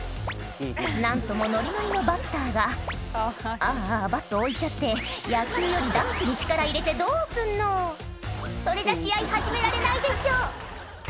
何ともノリノリのバッターがあぁあぁバット置いちゃって野球よりダンスに力入れてどうすんのそれじゃ試合始められないでしょ！